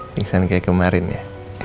pingsan kaya kemarin ya